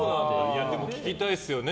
でも聞きたいですよね。